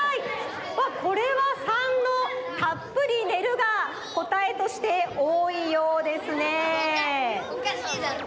うわっこれは③の「たっぷり寝る」がこたえとしておおいようですね。